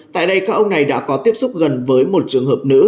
tại đây các ông này đã có tiếp xúc gần với một trường hợp nữ